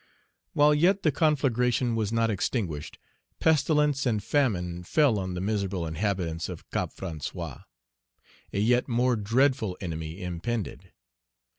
While yet the conflagration was not extinguished, pestilence and famine fell on the miserable inhabitants of Cape François. A yet more dreadful enemy impended.